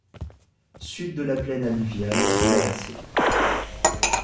Sud de la plaine alluviale de la Bassée.